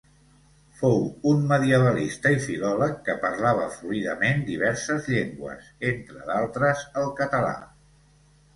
Fou un medievalista i filòleg que parlava fluidament diverses llengües, entre d'altres el català.